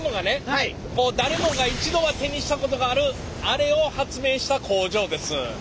こう誰もが一度は手にしたことがあるアレを発明した工場です。